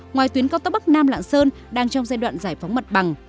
ngoài tuyến cao tốc bắc nam lạng sơn đang trong giai đoạn giải phóng mặt bằng